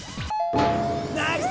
ナイス！